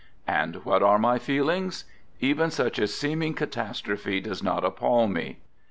And what are my feelings? Even such a seem ing catastrophe does not appall me.